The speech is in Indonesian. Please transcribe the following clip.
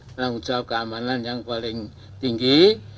penanggung jawab keamanan yang paling tinggi